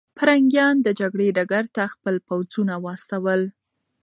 پرنګیان د جګړې ډګر ته خپل پوځونه واستول.